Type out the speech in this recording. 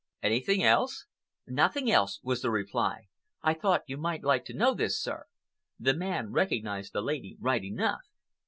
"Anything else?" "Nothing else," was the reply. "I thought you might like to know this, sir. The man recognized the lady right enough."